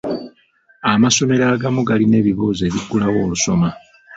Amasomero agamu galina ebibuuzo ebiggulawo olusoma.